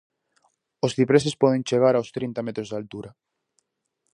Os cipreses poden chegar aos trinta metros de altura.